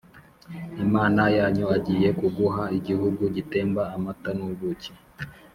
Imana yanyu agiye kuguha igihugu gitemba amata n ubuki